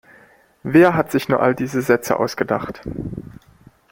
Wer hat sich nur all diese Sätze ausgedacht?